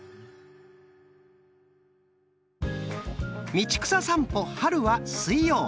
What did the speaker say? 「道草さんぽ・春」は水曜。